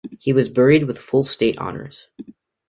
He was buried with full state honours.